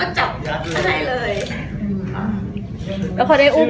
อันแรกยังไม่ยอมอุ้มลูก